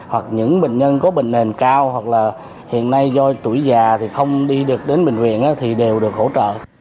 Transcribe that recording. hoặc những bệnh nhân có bệnh nền cao hoặc là hiện nay do tuổi già thì không đi được đến bệnh viện thì đều được hỗ trợ